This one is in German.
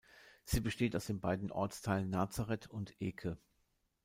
Sie besteht aus den beiden Ortsteilen "Nazareth" und "Eke".